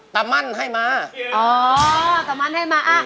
เต๋ามันให้มาอ๋อตะมันให้มา